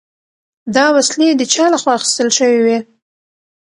دا وسلې د چا له خوا اخیستل شوي دي؟